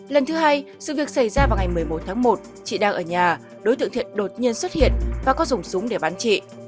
lần thứ hai sự việc xảy ra vào ngày một mươi một tháng một chị đang ở nhà đối tượng thiện đột nhiên xuất hiện và có dùng súng để bắn chị